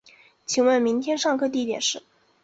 请问明天上课地点是